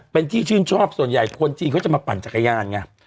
เป็นที่ชื่นชอบส่วนใหญ่คนจีนเขาจะมาปั่นจักรยานไง